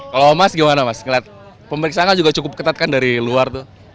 kalau mas gimana mas ngeliat pemeriksaan juga cukup ketat kan dari luar tuh